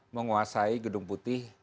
menguasai gedung putih